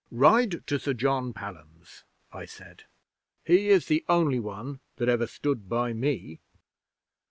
'"Ride to Sir John Pelham's," I said. "He is the only one that ever stood by me."